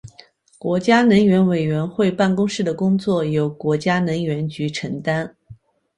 国家能源委员会办公室的工作由国家能源局承担。